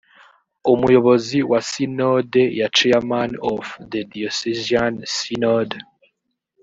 umuyobozi wa sinode ya chairman of the diocesan synod